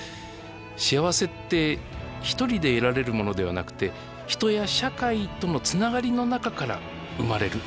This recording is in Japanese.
幸せって一人で得られるものではなくて人や社会とのつながりの中から生まれる。